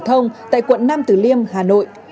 ở nam từ liêm hà nội